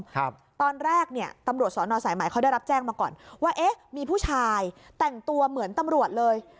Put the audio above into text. ครับตอนแรกเนี่ยตำรวจสอนอสายใหม่เขาได้รับแจ้งมาก่อนว่าเอ๊ะมีผู้ชายแต่งตัวเหมือนตำรวจเลย